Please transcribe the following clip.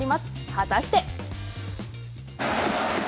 果たして。